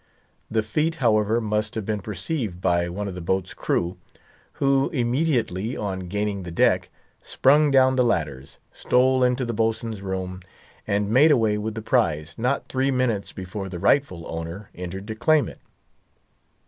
The feat, however, must have been perceived by one of the boat's crew, who immediately, on gaining the deck, sprung down the ladders, stole into the boatswain's room, and made away with the prize, not three minutes before the rightful owner entered to claim it.